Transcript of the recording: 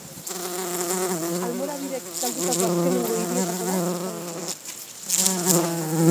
Almorabideek galdutako azkenengo hirietako bat izan zen.